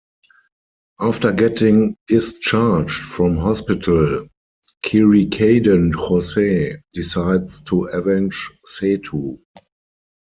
After getting discharged from hospital, Keerikadan Jose decides to avenge Sethu.